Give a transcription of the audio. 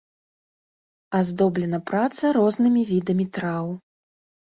Аздоблена праца рознымі відамі траў.